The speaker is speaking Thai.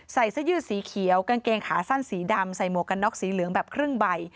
ใส่เสื้อยืดสีเขียวกางเกงขาสั้นสีดำใส่หมวกกันน็อกสีเหลืองแบบครึ่งใบ